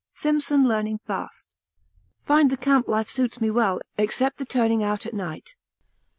Simpson learning fast. Find the camp life suits me well except the turning out at night!